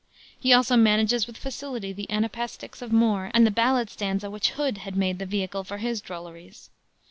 He also manages with facility the anapaestics of Moore and the ballad stanza which Hood had made the vehicle for his drolleries.